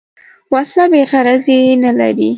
وسله بېغرضي نه لري